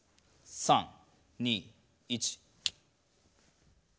３２１。